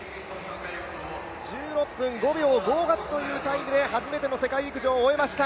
１６分５秒５８というタイムで初めての世界陸上を終えました。